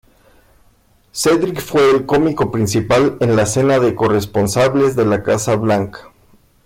Cedric fue el cómico principal en la cena de corresponsales de la Casa Blanca.